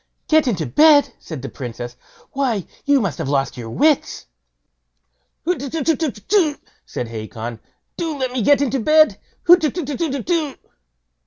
"Get into bed!" said the Princess; "why, you must have lost your wits." "Hutetutetutetu!" said Hacon; "do let me get into bed. Hutetutetutetu."